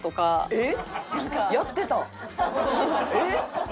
えっ？